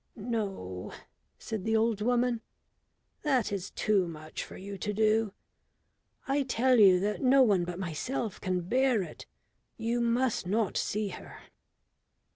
"No," said the old woman, "that is too much for you to do. I tell you that no one but myself can bear it. You must not see her."